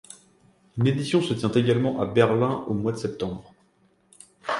Une édition se tient également à Berlin au mois de septembre.